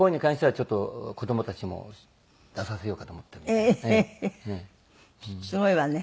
すごいわね。